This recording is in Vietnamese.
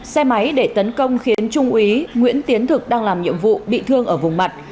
xe máy để tấn công khiến trung úy nguyễn tiến thực đang làm nhiệm vụ bị thương ở vùng mặt